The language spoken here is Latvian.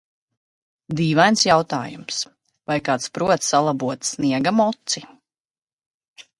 Dīvains jautājums: vai kāds prot salabot sniegamoci?